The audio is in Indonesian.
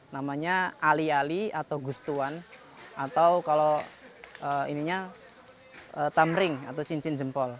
namanya alih alih atau gustuan atau kalau ininya tamring atau cincin jempol